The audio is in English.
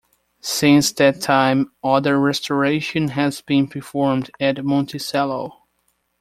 Since that time, other restoration has been performed at Monticello.